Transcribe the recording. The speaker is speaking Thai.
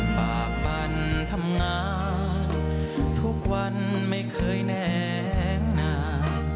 ปากปั่นทำงานทุกวันไม่เคยแหนนา